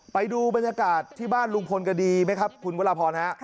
ไปดูบรรยากาศที่บ้านลุงพลกันดีไหมครับคุณวรพรฮะ